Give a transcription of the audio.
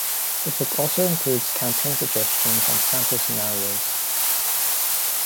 The book also includes campaign-suggestions and sample scenarios.